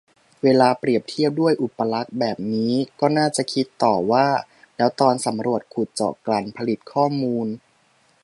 เวลาเปรียบเทียบด้วยอุปลักษณ์แบบนี้ ก็น่าคิดต่อว่า แล้วตอนสำรวจ ขุดเจาะ กลั่น ผลิตข้อมูล